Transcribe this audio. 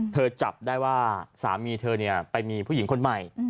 จับได้ว่าสามีเธอไปมีผู้หญิงคนใหม่